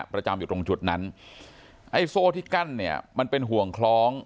ประจำอยู่ตรงจุดนั้นไอ้โซ่ที่กั้นเนี่ยมันเป็นห่วงคล้อง